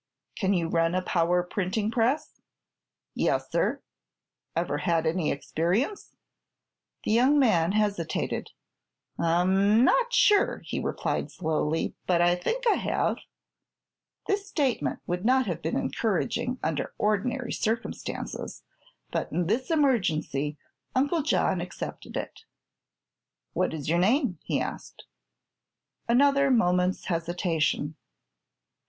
"Can you run a power printing press?" "Yes, sir." "Ever had any experience?" The young man hesitated. "I'm not sure," he replied slowly; "but I think I have." This statement would not have been encouraging under ordinary circumstances, but in this emergency Uncle John accepted it. "What is your name?" he asked. Another moment's hesitation.